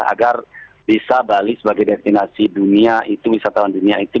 agar bisa bali sebagai destinasi dunia itu wisatawan dunia itu